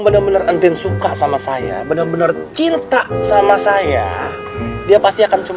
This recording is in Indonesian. bener bener intin suka sama saya bener bener cinta sama saya dia pasti akan mencari saya